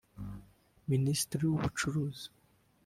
Minsitiri w’Ubucuruzi